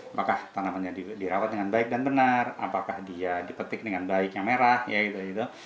apakah tanamannya dirawat dengan baik dan benar apakah dia dipetik dengan baik yang merah ya gitu gitu